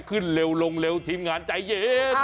ขึ้นเร็วลงเร็วทีมงานใจเย็น